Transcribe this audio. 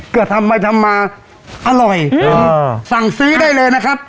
ก็ทำไปทำมาอร่อยสั่งซื้อได้เลยนะครับ